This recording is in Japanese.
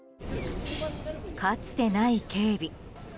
かつてない警備。